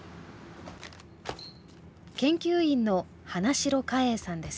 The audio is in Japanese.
研究員の花城可英さんです。